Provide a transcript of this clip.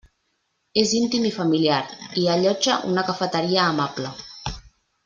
És íntim i familiar, i allotja una cafeteria amable.